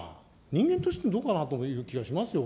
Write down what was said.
人間としてもどうかなという気がしますよ。